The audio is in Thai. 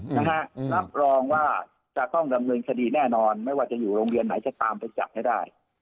นะฮะรับรองว่าจะต้องดำเนินคดีแน่นอนไม่ว่าจะอยู่โรงเรียนไหนจะตามไปจับให้ได้